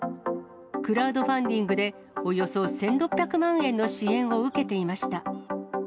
クラウドファンディングで、およそ１６００万円の支援を受けていました。